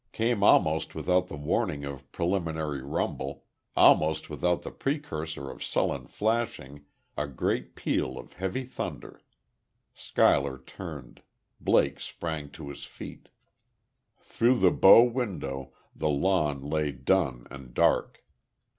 Came almost without the warning of preliminary rumble almost without the precursor of sullen flashing a great peal of heavy thunder. Schuyler turned. Blake sprang to his feet. Through the bow window, the lawn lay dun and dark.